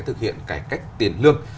thực hiện cải cách tiền lương